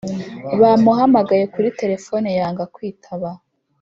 Bamuhamagaye kuri telephone yanga kwitaba